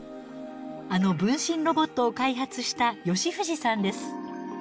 あの分身ロボットを開発した吉藤さんです。